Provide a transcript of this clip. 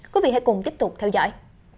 quý vị hãy cùng tiếp tục theo dõi